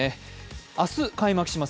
明日、開幕します